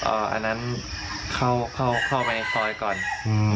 อันนั้นเข้าเข้าเข้าไปในซอยก่อนอืม